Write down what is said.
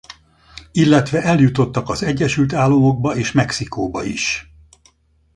Illetve eljutottak az Egyesült Államokba és Mexikóba is.